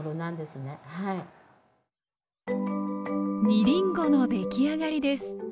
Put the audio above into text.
煮りんごの出来上がりです。